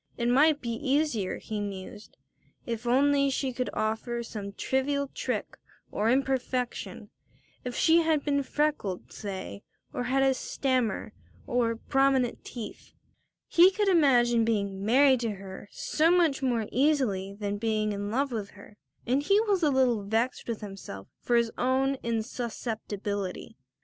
It might be easier, he mused, if only she could offer some trivial trick or imperfection, if she had been freckled, say, or had had a stammer, or prominent teeth. He could imagine being married to her so much more easily than being in love with her, and he was a little vexed with himself for his own insusceptibility.